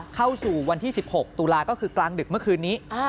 เข้าสู่วันที่๑๖ตุลาก็คือกลางดึกเมื่อคืนนี้